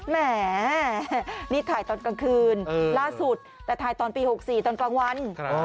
แหมนี่ถ่ายตอนกลางคืนล่าสุดแต่ถ่ายตอนปี๖๔ตอนกลางวัน